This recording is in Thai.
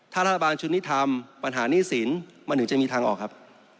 ถ้ารัฐบาลชุดนี้ทำปัญหาหนี้สินมันถึงจะมีทางออกครับ